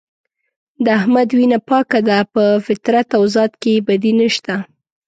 د احمد وینه پاکه ده په فطرت او ذات کې یې بدي نشته.